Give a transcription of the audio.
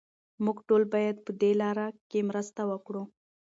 موږ ټول باید پهدې لاره کې مرسته وکړو.